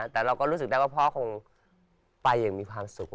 แต่เราก็รู้สึกได้ว่าพ่อคงไปอย่างมีความสุข